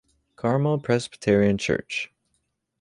Carmel Presbyterian Church.